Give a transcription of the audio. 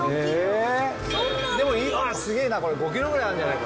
すげえな、これ、５キロぐらいあるんじゃない？